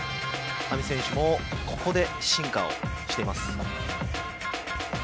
ＡＭＩ選手もここで進化をしています。